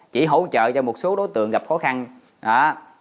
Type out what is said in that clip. chỉ hỗ trợ cho một số đối tượng gặp khó khăn